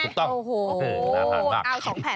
โอ้โหเอาสองแผ่นมาโอ้โหน่ารักมาก